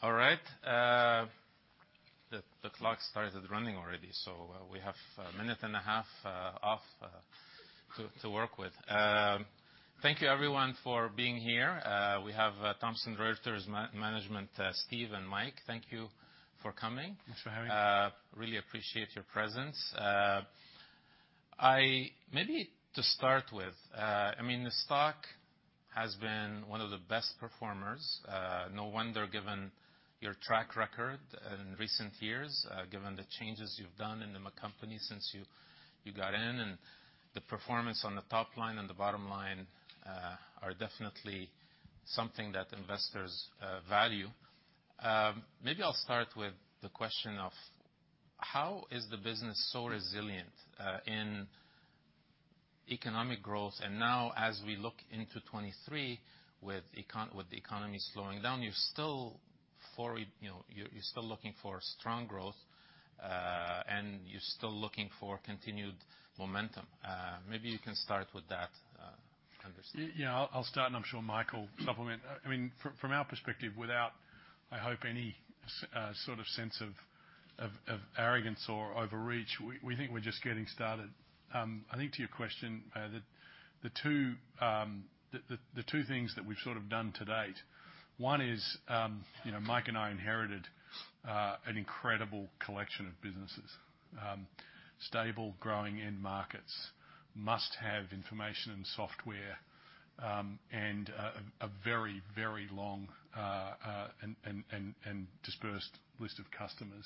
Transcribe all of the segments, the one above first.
All right. The clock started running already, so we have a minute and a half to work with. Thank you, everyone, for being here. We have Thomson Reuters Management, Steve and Mike. Thank you for coming. Thanks for having me. Really appreciate your presence. Maybe to start with, I mean, the stock has been one of the best performers. No wonder given your track record in recent years, given the changes you've done in the company since you got in. The performance on the top line and the bottom line are definitely something that investors value. Maybe I'll start with the question of how is the business so resilient in economic growth. Now, as we look into 2023 with the economy slowing down, you're still forward, you know, you're still looking for strong growth, and you're still looking for continued momentum. Maybe you can start with that, understanding. Yeah, I'll start, and I'm sure Michael will supplement. I mean, from our perspective, without, I hope, any sort of sense of arrogance or overreach, we think we're just getting started. I think to your question, the two things that we've sort of done to date, one is, you know, Mike and I inherited an incredible collection of businesses, stable, growing end markets, must-have information and software, and a very, very long and dispersed list of customers.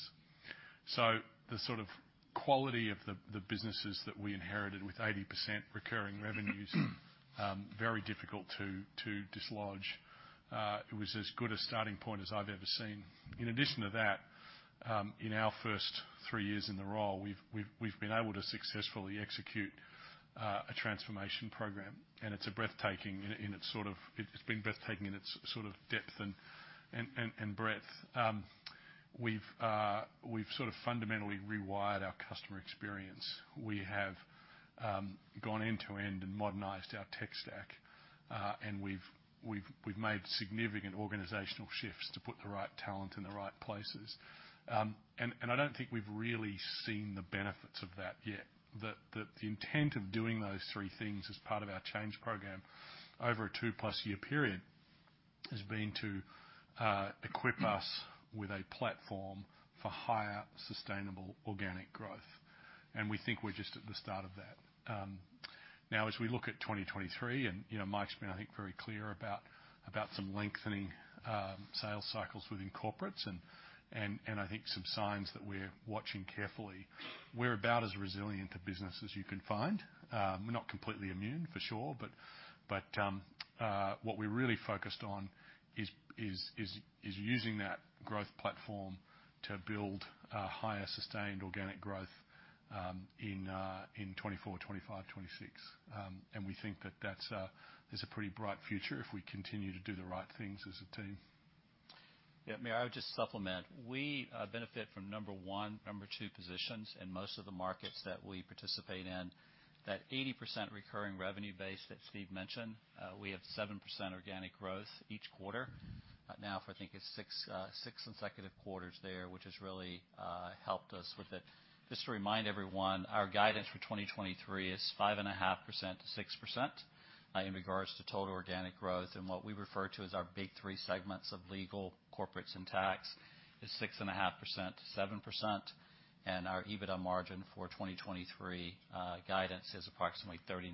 So the sort of quality of the businesses that we inherited with 80% recurring revenues, very difficult to dislodge. It was as good a starting point as I've ever seen. In addition to that, in our first three years in the role, we've been able to successfully execute a transformation program, and it's been breathtaking in its sort of depth and breadth. We've sort of fundamentally rewired our customer experience. We have gone end to end and modernized our tech stack, and we've made significant organizational shifts to put the right talent in the right places. And I don't think we've really seen the benefits of that yet. The intent of doing those three things as part of our change program over a two-plus-year period has been to equip us with a platform for higher sustainable organic growth, and we think we're just at the start of that. Now, as we look at 2023, and, you know, Mike's been, I think, very clear about some lengthening sales cycles within corporates, and I think some signs that we're watching carefully. We're about as resilient a business as you can find. We're not completely immune, for sure, but what we're really focused on is using that growth platform to build higher sustained organic growth in 2024, 2025, 2026, and we think that that's a pretty bright future if we continue to do the right things as a team. Yeah, may I just supplement? We benefit from number one, number two positions, and most of the markets that we participate in, that 80% recurring revenue base that Steve mentioned. We have 7% organic growth each quarter. Now for, I think, it's six consecutive quarters there, which has really helped us with it. Just to remind everyone, our guidance for 2023 is 5.5% to 6%, in regards to total organic growth. And what we refer to as our Big Three segments of legal, corporates, and tax is 6.5% to 7%. And our EBITDA margin for 2023 guidance is approximately 39%.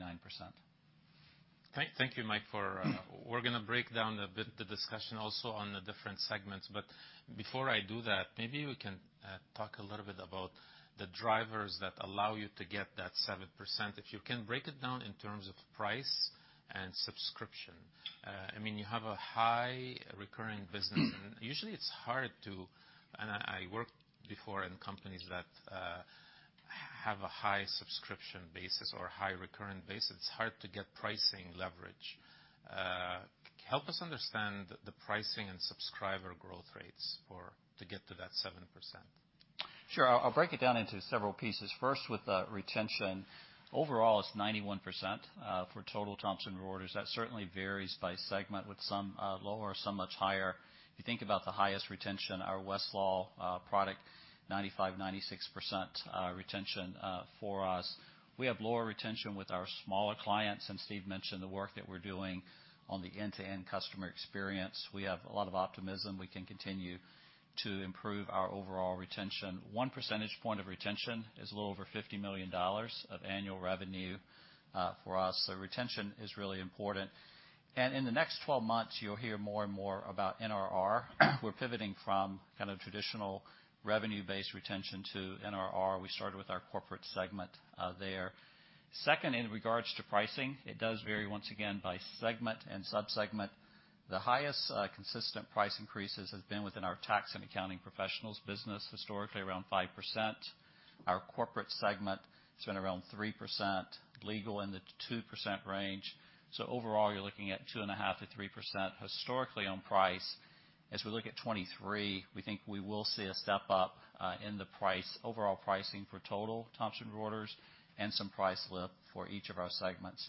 Thank you, Mike. We're gonna break down a bit the discussion also on the different segments. But before I do that, maybe we can talk a little bit about the drivers that allow you to get that 7%, if you can break it down in terms of price and subscription. I mean, you have a high recurring business, and usually it's hard to and I worked before in companies that have a high subscription basis or high recurring basis. It's hard to get pricing leverage. Help us understand the pricing and subscriber growth rates to get to that 7%. Sure. I'll break it down into several pieces. First, with the retention, overall, it's 91% for total Thomson Reuters. That certainly varies by segment, with some lower or some much higher. If you think about the highest retention, our Westlaw product, 95%-96% retention for us. We have lower retention with our smaller clients, and Steve mentioned the work that we're doing on the end-to-end customer experience. We have a lot of optimism. We can continue to improve our overall retention. One percentage point of retention is a little over $50 million of annual revenue for us. So retention is really important. And in the next 12 months, you'll hear more and more about NRR. We're pivoting from kind of traditional revenue-based retention to NRR. We started with our corporate segment there. Second, in regards to pricing, it does vary, once again, by segment and subsegment. The highest, consistent price increases have been within our tax and accounting professionals' business, historically around 5%. Our corporate segment, it's been around 3%, legal in the 2% range. So overall, you're looking at 2.5%-3%, historically, on price. As we look at 2023, we think we will see a step up, in the price, overall pricing for total Thomson Reuters and some price lift for each of our segments.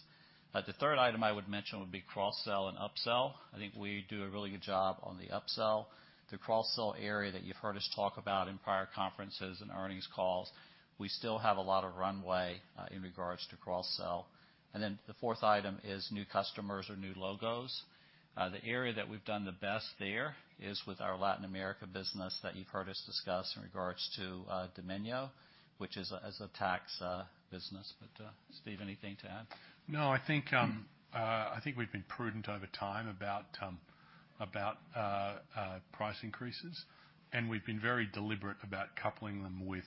The third item I would mention would be cross-sell and upsell. I think we do a really good job on the upsell. The cross-sell area that you've heard us talk about in prior conferences and earnings calls, we still have a lot of runway, in regards to cross-sell. And then the fourth item is new customers or new logos. The area that we've done the best there is with our Latin America business that you've heard us discuss in regards to Domínio, which is a tax business. But, Steve, anything to add? No, I think we've been prudent over time about price increases, and we've been very deliberate about coupling them with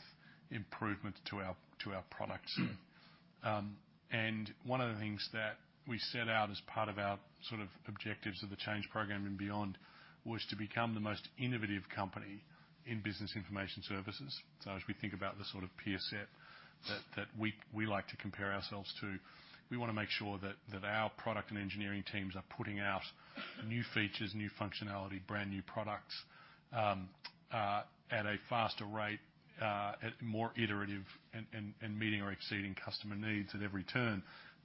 improvements to our products, and one of the things that we set out as part of our sort of objectives of the change program and beyond was to become the most innovative company in business information services. So as we think about the sort of peer set that we like to compare ourselves to, we wanna make sure that our product and engineering teams are putting out new features, new functionality, brand new products, at a faster rate, more iterative, and meeting or exceeding customer needs at every turn.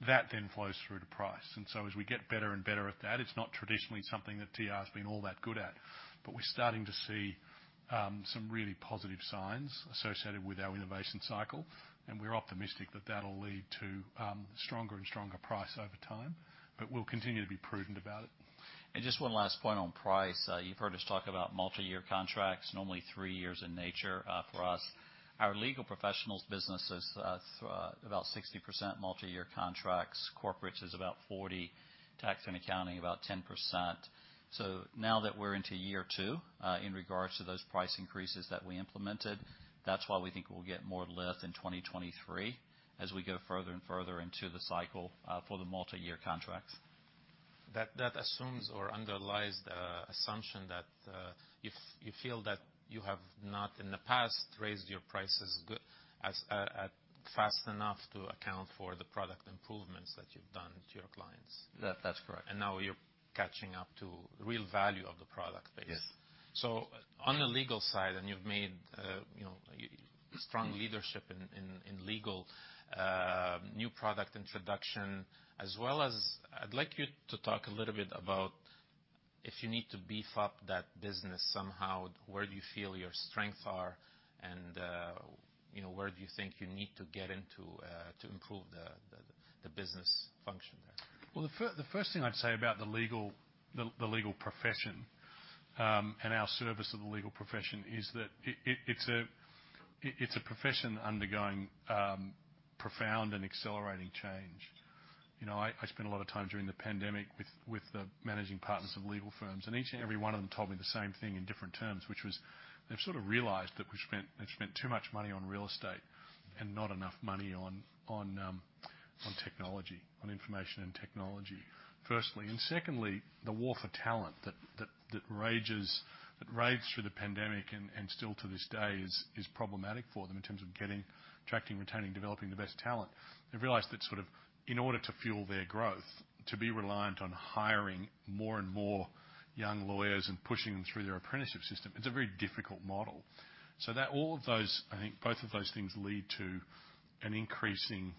That then flows through to price. And so as we get better and better at that, it's not traditionally something that TR has been all that good at, but we're starting to see some really positive signs associated with our innovation cycle, and we're optimistic that that'll lead to stronger and stronger price over time. But we'll continue to be prudent about it. Just one last point on price. You've heard us talk about multi-year contracts, normally three years in nature, for us. Our legal professionals' businesses is about 60% multi-year contracts. Corporates is about 40%. Tax and accounting, about 10%. So now that we're into year two, in regards to those price increases that we implemented, that's why we think we'll get more lift in 2023 as we go further and further into the cycle, for the multi-year contracts. That assumes or underlies the assumption that you feel that you have not, in the past, raised your prices as fast enough to account for the product improvements that you've done to your clients. That, that's correct. Now you're catching up to real value of the product base. Yes. So on the legal side, and you've made, you know, strong leadership in legal, new product introduction, as well as I'd like you to talk a little bit about if you need to beef up that business somehow, where do you feel your strengths are, and, you know, where do you think you need to get into, to improve the business function there? The first thing I'd say about the legal profession, and our service to the legal profession, is that it's a profession undergoing profound and accelerating change. You know, I spent a lot of time during the pandemic with the managing partners of legal firms, and each and every one of them told me the same thing in different terms, which was they've sort of realized that they've spent too much money on real estate and not enough money on technology, on information and technology, firstly. And secondly, the war for talent that raged through the pandemic and still to this day is problematic for them in terms of getting, attracting, retaining, developing the best talent. They've realized that sort of in order to fuel their growth, to be reliant on hiring more and more young lawyers and pushing them through their apprenticeship system, it's a very difficult model. So that all of those, I think both of those things lead to an increasing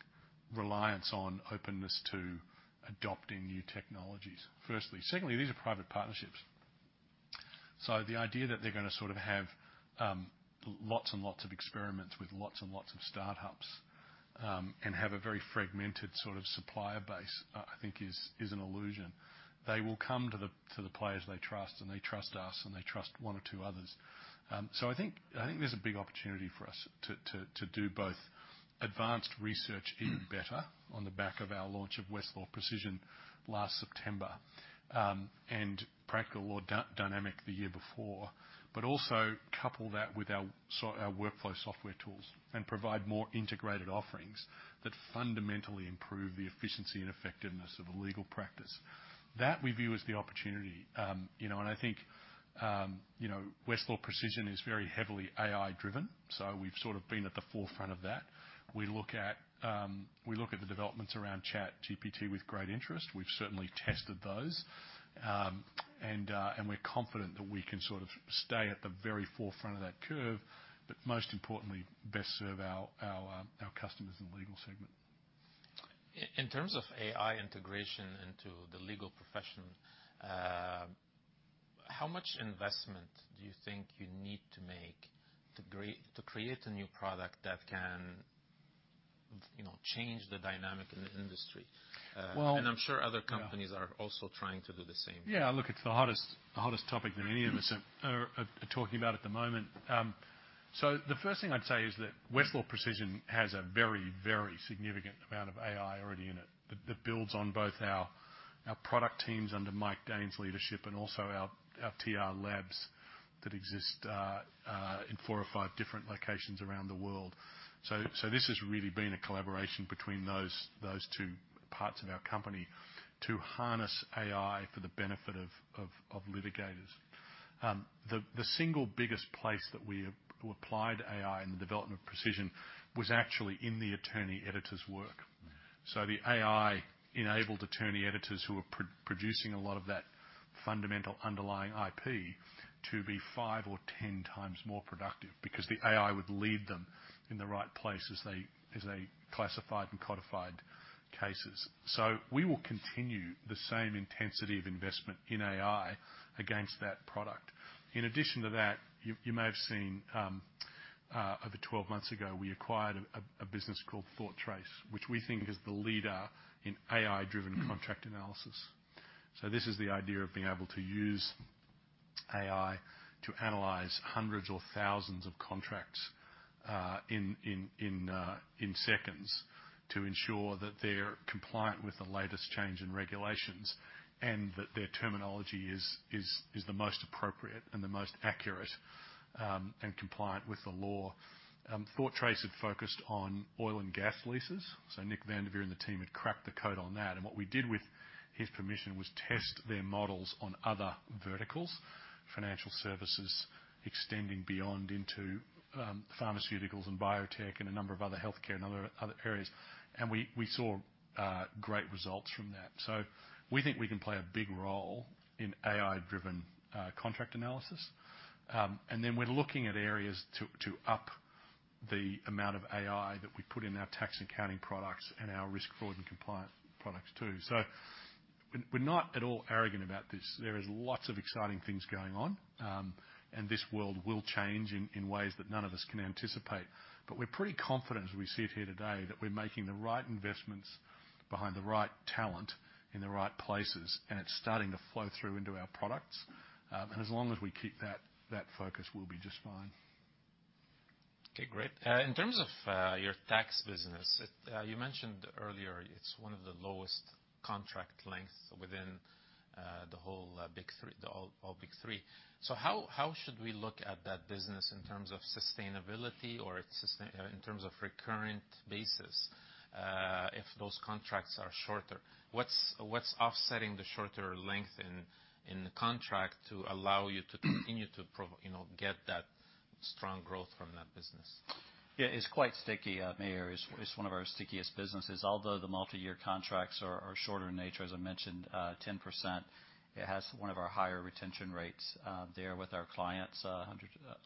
reliance on openness to adopting new technologies, firstly. Secondly, these are private partnerships. So the idea that they're gonna sort of have lots and lots of experiments with lots and lots of startups, and have a very fragmented sort of supplier base, I think is an illusion. They will come to the players they trust, and they trust us, and they trust one or two others. So I think there's a big opportunity for us to do both advanced research even better on the back of our launch of Westlaw Precision last September, and Practical Law Dynamic the year before, but also couple that with our workflow software tools and provide more integrated offerings that fundamentally improve the efficiency and effectiveness of a legal practice. That we view as the opportunity, you know, and I think, you know, Westlaw Precision is very heavily AI-driven, so we've sort of been at the forefront of that. We look at the developments around ChatGPT with great interest. We've certainly tested those, and we're confident that we can sort of stay at the very forefront of that curve, but most importantly, best serve our customers in the legal segment. In terms of AI integration into the legal profession, how much investment do you think you need to make to create a new product that can, you know, change the dynamic in the industry? Well. I'm sure other companies are also trying to do the same. Yeah, I look at the hottest topic that any of us are talking about at the moment, so the first thing I'd say is that Westlaw Precision has a very, very significant amount of AI already in it that builds on both our product teams under Mike Daines's leadership and also our TR Labs that exist in four or five different locations around the world, so this has really been a collaboration between those two parts of our company to harness AI for the benefit of litigators. The single biggest place that we applied AI in the development of Precision was actually in the attorney editor's work. So the AI enabled attorney editors who were producing a lot of that fundamental underlying IP to be five or 10 times more productive because the AI would lead them in the right place as they classified and codified cases. So we will continue the same intensity of investment in AI against that product. In addition to that, you may have seen, over 12 months ago, we acquired a business called ThoughtTrace, which we think is the leader in AI-driven contract analysis. So this is the idea of being able to use AI to analyze hundreds or thousands of contracts in seconds to ensure that they're compliant with the latest change in regulations and that their terminology is the most appropriate and the most accurate, and compliant with the law. ThoughtTrace had focused on oil and gas leases, so Nick Vandivere and the team had cracked the code on that, and what we did with his permission was test their models on other verticals, financial services extending beyond into, pharmaceuticals and biotech and a number of other healthcare and other, other areas, and we, we saw, great results from that, so we think we can play a big role in AI-driven, contract analysis, and then we're looking at areas to, to up the amount of AI that we put in our tax and accounting products and our risk, fraud and compliance products too, so we're, we're not at all arrogant about this. There is lots of exciting things going on, and this world will change in, in ways that none of us can anticipate. But we're pretty confident, as we sit here today, that we're making the right investments behind the right talent in the right places, and it's starting to flow through into our products. And as long as we keep that focus, we'll be just fine. Okay, great. In terms of your tax business, you mentioned earlier it's one of the lowest contract lengths within the whole Big Three. So how should we look at that business in terms of sustainability or its sustainability in terms of recurrent basis, if those contracts are shorter? What's offsetting the shorter length in the contract to allow you to continue to provide, you know, get that strong growth from that business? Yeah, it's quite sticky, Maher. It's one of our stickiest businesses. Although the multi-year contracts are shorter in nature, as I mentioned, 10%, it has one of our higher retention rates there with our clients,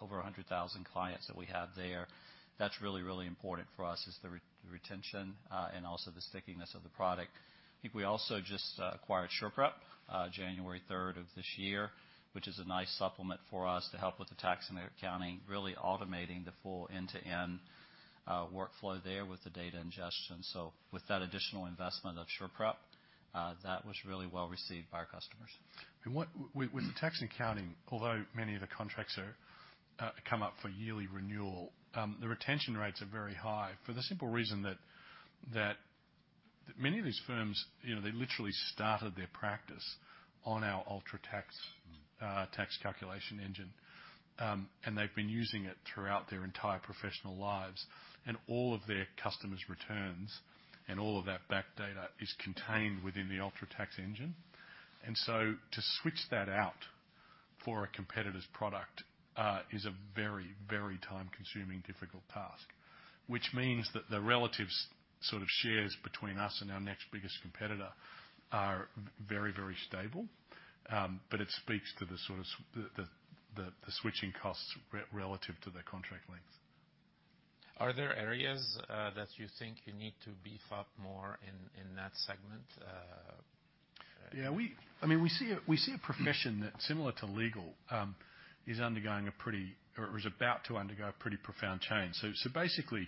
over 100,000 clients that we have there. That's really, really important for us is the retention, and also the stickiness of the product. I think we also just acquired SurePrep, January 3rd of this year, which is a nice supplement for us to help with the tax and accounting, really automating the full end-to-end workflow there with the data ingestion. So with that additional investment of SurePrep, that was really well received by our customers. What with the tax and accounting, although many of the contracts are coming up for yearly renewal, the retention rates are very high for the simple reason that many of these firms, you know, they literally started their practice on our UltraTax tax calculation engine, and they've been using it throughout their entire professional lives. And all of their customers' returns and all of that back data is contained within the UltraTax engine. And so to switch that out for a competitor's product is a very, very time-consuming, difficult task, which means that the relative sort of shares between us and our next biggest competitor are very, very stable. But it speaks to the sort of the switching costs relative to the contract length. Are there areas, that you think you need to beef up more in, in that segment? Yeah, I mean, we see a profession that, similar to legal, is undergoing a pretty or is about to undergo a pretty profound change. So, basically,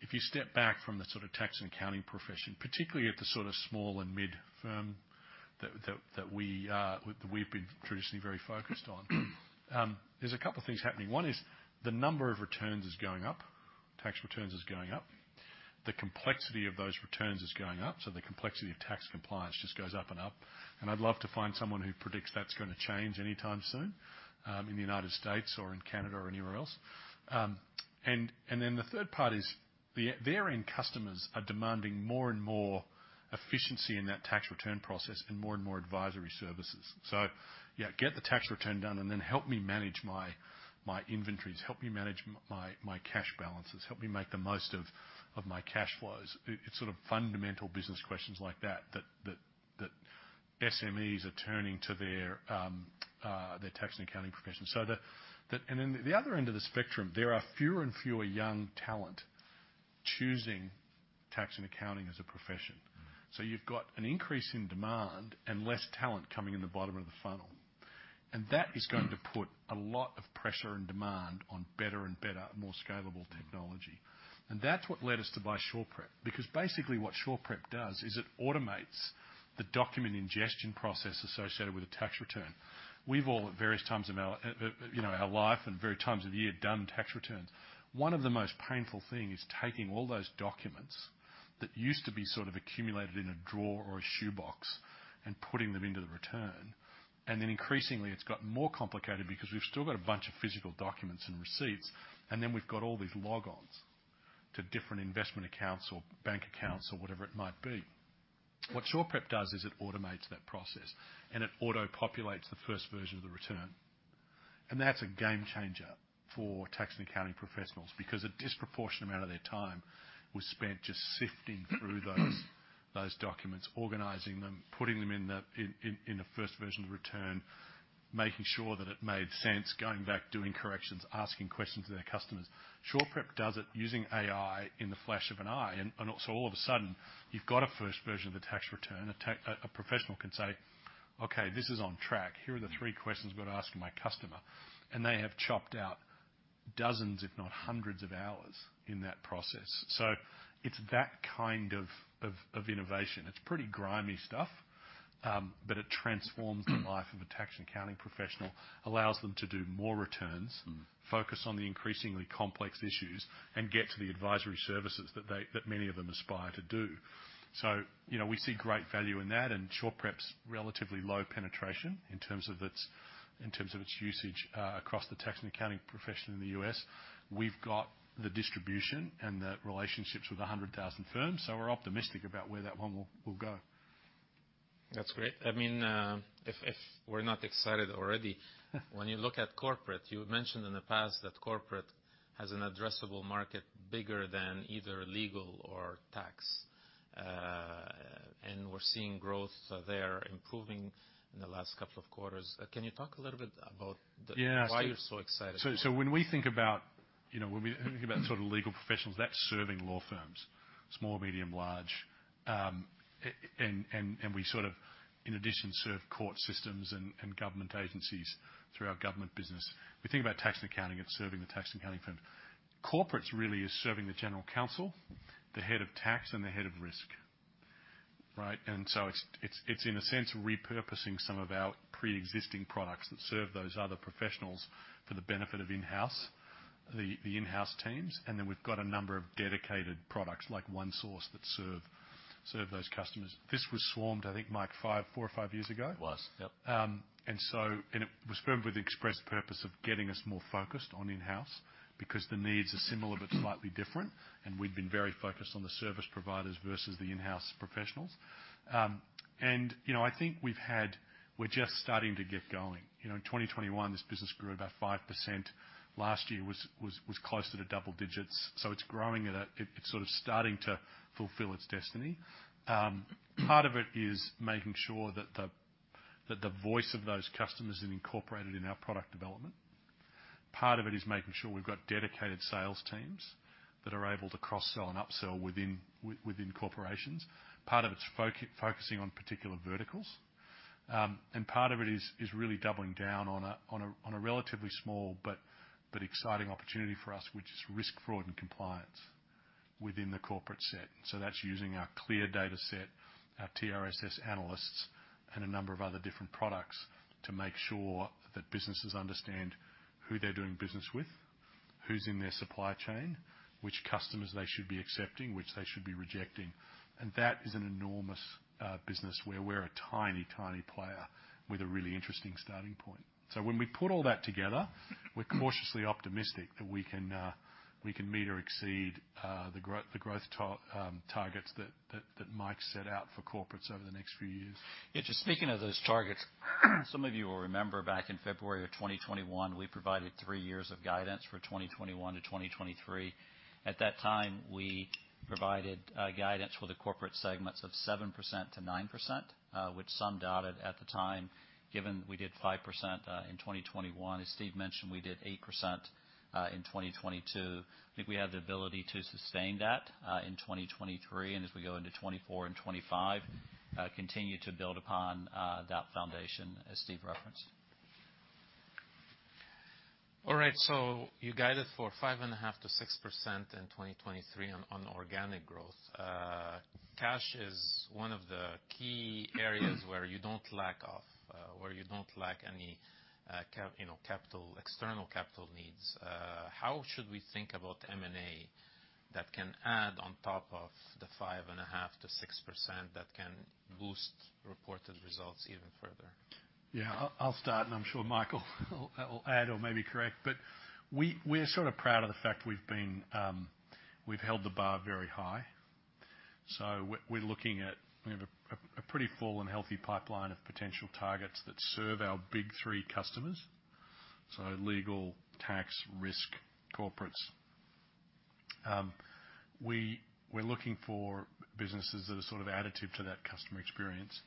if you step back from the sort of tax and accounting profession, particularly at the sort of small and mid-firm that we've been traditionally very focused on, there's a couple of things happening. One is the number of returns is going up. Tax returns is going up. The complexity of those returns is going up. So the complexity of tax compliance just goes up and up, and I'd love to find someone who predicts that's gonna change anytime soon, in the United States or in Canada or anywhere else. And then the third part is that their end customers are demanding more and more efficiency in that tax return process and more and more advisory services. So, yeah, get the tax return done and then help me manage my inventories. Help me manage my cash balances. Help me make the most of my cash flows. It's sort of fundamental business questions like that that SMEs are turning to their tax and accounting profession. So and then the other end of the spectrum, there are fewer and fewer young talent choosing tax and accounting as a profession. So you've got an increase in demand and less talent coming in the bottom of the funnel. And that is going to put a lot of pressure and demand on better and better, more scalable technology. That's what led us to buy SurePrep because basically what SurePrep does is it automates the document ingestion process associated with a tax return. We've all, at various times of our, you know, our life and various times of year, done tax returns. One of the most painful thing is taking all those documents that used to be sort of accumulated in a drawer or a shoebox and putting them into the return, and then increasingly, it's gotten more complicated because we've still got a bunch of physical documents and receipts, and then we've got all these logons to different investment accounts or bank accounts or whatever it might be. What SurePrep does is it automates that process, and it auto-populates the first version of the return. And that's a game changer for tax and accounting professionals because a disproportionate amount of their time was spent just sifting through those documents, organizing them, putting them in the first version of the return, making sure that it made sense, going back, doing corrections, asking questions to their customers. SurePrep does it using AI in the flash of an eye. And also all of a sudden, you've got a first version of the tax return. A professional can say, "Okay, this is on track. Here are the three questions I've got to ask my customer." And they have chopped out dozens, if not hundreds, of hours in that process. So it's that kind of innovation. It's pretty grimy stuff, but it transforms the life of a tax and accounting professional, allows them to do more returns, focus on the increasingly complex issues, and get to the advisory services that they many of them aspire to do. So, you know, we see great value in that. And SurePrep's relatively low penetration in terms of its usage, across the tax and accounting profession in the U.S. We've got the distribution and the relationships with 100,000 firms, so we're optimistic about where that one will go. That's great. I mean, if we're not excited already, when you look at corporate, you mentioned in the past that corporate has an addressable market bigger than either legal or tax, and we're seeing growth there improving in the last couple of quarters. Can you talk a little bit about the? Yeah, so. Why you're so excited? So when we think about, you know, sort of legal professionals, that's serving law firms, small, medium, large. And we sort of, in addition, serve court systems and government agencies through our government business. We think about tax and accounting and serving the tax and accounting firms. Corporates really is serving the general counsel, the head of tax, and the head of risk, right? And so it's in a sense repurposing some of our pre-existing products that serve those other professionals for the benefit of in-house the in-house teams. And then we've got a number of dedicated products like ONESOURCE that serve those customers. This was formed, I think, Mike, four or five years ago. It was, yep. And so it was formed with the express purpose of getting us more focused on in-house because the needs are similar, but slightly different. And we've been very focused on the service providers versus the in-house professionals. You know, I think we're just starting to get going. You know, in 2021, this business grew about 5%. Last year was closer to double digits. So it's growing. It's sort of starting to fulfill its destiny. Part of it is making sure that the voice of those customers is incorporated in our product development. Part of it is making sure we've got dedicated sales teams that are able to cross-sell and upsell within corporations. Part of it's focusing on particular verticals. and part of it is really doubling down on a relatively small but exciting opportunity for us, which is risk, fraud and compliance within the corporate set. So that's using our CLEAR data set, our TRSS analysts, and a number of other different products to make sure that businesses understand who they're doing business with, who's in their supply chain, which customers they should be accepting, which they should be rejecting. And that is an enormous business where we're a tiny player with a really interesting starting point. So when we put all that together, we're cautiously optimistic that we can meet or exceed the growth targets that Mike set out for corporates over the next few years. Yeah, just speaking of those targets, some of you will remember back in February of 2021, we provided three years of guidance for 2021 to 2023. At that time, we provided guidance for the corporate segments of 7%-9%, which some doubted at the time, given we did 5% in 2021. As Steve mentioned, we did 8% in 2022. I think we have the ability to sustain that in 2023. And as we go into 2024 and 2025, continue to build upon that foundation, as Steve referenced. All right, so you guided for 5.5%-6% in 2023 on organic growth. Cash is one of the key areas where you don't lack any capital, external capital needs. How should we think about M&A that can add on top of the 5.5%-6% that can boost reported results even further? Yeah, I'll start, and I'm sure Michael will add or maybe correct, but we're sort of proud of the fact we've held the bar very high. So we're looking. We have a pretty full and healthy pipeline of potential targets that serve our Big Three customers, so legal, tax, risk, corporates. We're looking for businesses that are sort of additive to that customer experience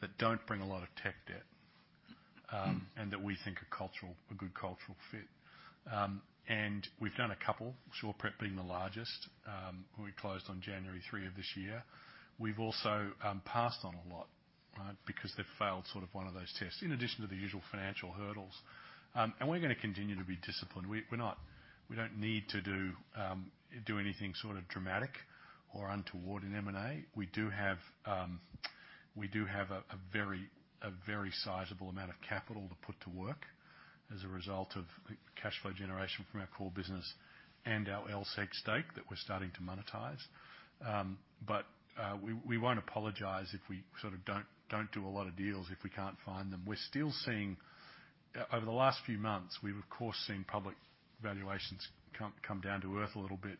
that don't bring a lot of tech debt, and that we think are cultural, a good cultural fit. We've done a couple, SurePrep being the largest, who we closed on January 3 of this year. We've also passed on a lot, right, because they've failed sort of one of those tests in addition to the usual financial hurdles. We're gonna continue to be disciplined. We're not, we don't need to do anything sort of dramatic or untoward in M&A. We do have a very sizable amount of capital to put to work as a result of cash flow generation from our core business and our LSEG stake that we're starting to monetize, but we won't apologize if we sort of don't do a lot of deals if we can't find them. We're still seeing, over the last few months, we've of course seen public valuations come down to earth a little bit,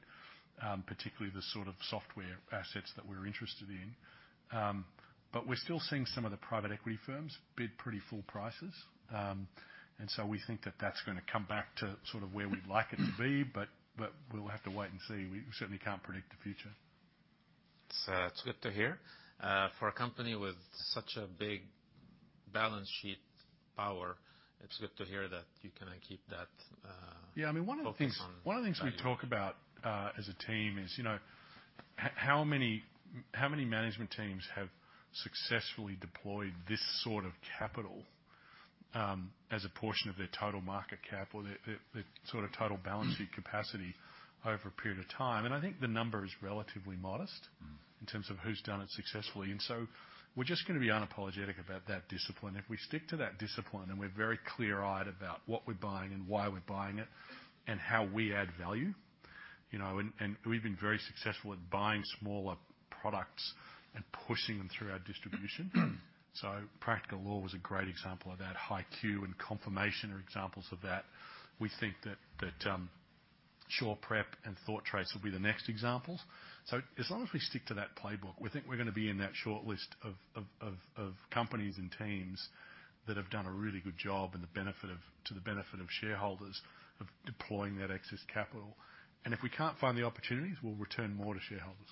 particularly the sort of software assets that we're interested in, but we're still seeing some of the private equity firms bid pretty full prices, and so we think that that's gonna come back to sort of where we'd like it to be, but we'll have to wait and see. We certainly can't predict the future. It's good to hear for a company with such a big balance sheet power. It's good to hear that you can keep that focus on. Yeah, I mean, one of the things we talk about, as a team is, you know, how many management teams have successfully deployed this sort of capital, as a portion of their total market cap or their, their, their sort of total balance sheet capacity over a period of time? And I think the number is relatively modest in terms of who's done it successfully. And so we're just gonna be unapologetic about that discipline. If we stick to that discipline and we're very clear-eyed about what we're buying and why we're buying it and how we add value, you know, and, and we've been very successful at buying smaller products and pushing through our distribution. So Practical Law was a great example of that. HighQ and Confirmation are examples of that. We think that SurePrep and ThoughtTrace will be the next examples. So as long as we stick to that playbook, we think we're gonna be in that shortlist of companies and teams that have done a really good job to the benefit of shareholders of deploying that excess capital. And if we can't find the opportunities, we'll return more to shareholders.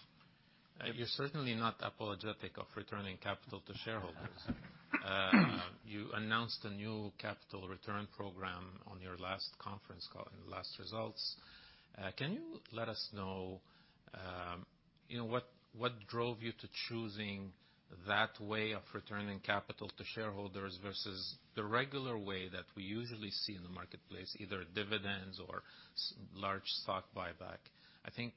You're certainly not apologetic of returning capital to shareholders. You announced a new capital return program on your last conference call and last results. Can you let us know, you know, what, what drove you to choosing that way of returning capital to shareholders versus the regular way that we usually see in the marketplace, either dividends or large stock buyback? I think,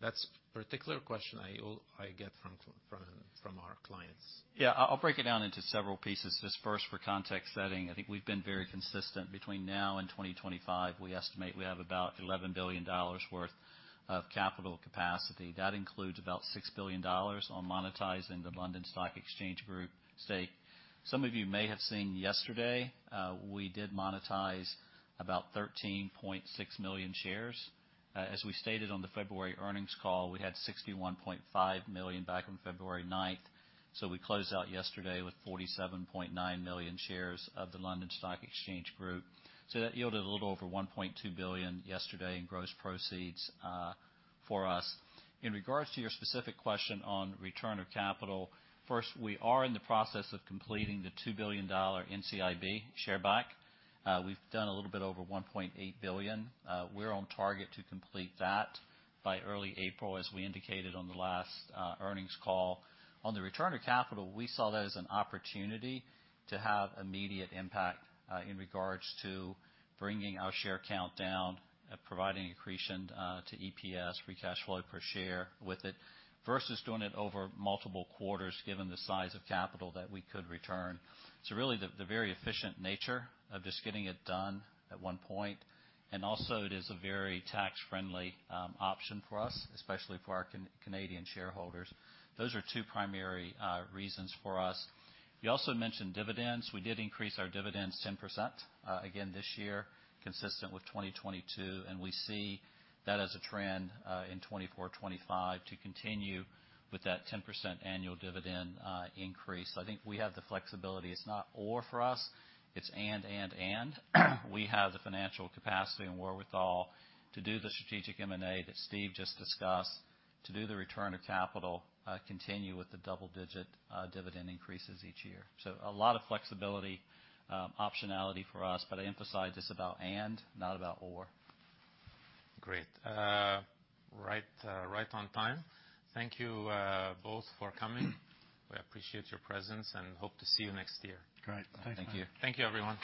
that's a particular question I always get from, from, from our clients. Yeah, I'll, I'll break it down into several pieces. Just first, for context setting, I think we've been very consistent. Between now and 2025, we estimate we have about $11 billion worth of capital capacity. That includes about $6 billion on monetizing the London Stock Exchange Group stake. Some of you may have seen yesterday, we did monetize about 13.6 million shares. As we stated on the February earnings call, we had 61.5 million back on February 9th. So we closed out yesterday with 47.9 million shares of the London Stock Exchange Group. So that yielded a little over $1.2 billion yesterday in gross proceeds for us. In regards to your specific question on return of capital, first, we are in the process of completing the $2 billion NCIB share back. We've done a little bit over $1.8 billion. We're on target to complete that by early April, as we indicated on the last earnings call. On the return of capital, we saw that as an opportunity to have immediate impact in regards to bringing our share count down, providing accretion to EPS, free cash flow per share with it, versus doing it over multiple quarters given the size of capital that we could return. So really, the very efficient nature of just getting it done at one point. And also, it is a very tax-friendly option for us, especially for our Canadian shareholders. Those are two primary reasons for us. You also mentioned dividends. We did increase our dividends 10%, again this year, consistent with 2022. And we see that as a trend, in 2024, 2025, to continue with that 10% annual dividend increase. I think we have the flexibility. It's not or for us. It's and, and, and. We have the financial capacity and wherewithal to do the strategic M&A that Steve just discussed, to do the return of capital, continue with the double-digit dividend increases each year. So a lot of flexibility, optionality for us. But I emphasize this about and, not about or. Great, right on time. Thank you both for coming. We appreciate your presence and hope to see you next year. Great. Thank you. Thank you. Thank you, everyone.